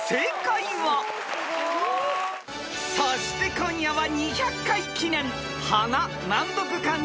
［そして今夜は］